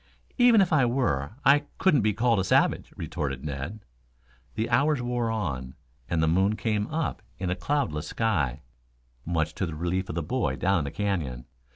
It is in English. "Even if I were, I couldn't be called a savage," retorted Ned. The hours wore on, and the moon came up in a cloudless sky, much to the relief of the boy down in the canyon.